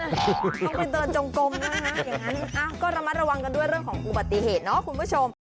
อ้ะคุณผู้ชมก็ระมัดระวังกันด้วยเรื่องของมุมตีเหตุนะ